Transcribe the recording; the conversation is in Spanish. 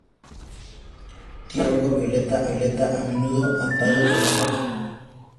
Tiene pelo largo, violeta, a menudo atado con una cinta roja.